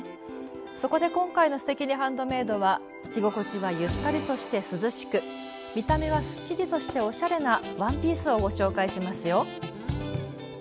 そこで今回の「すてきにハンドメイド」は着心地はゆったりとして涼しく見た目はすっきりとしておしゃれなワンピースをご紹介しますよ。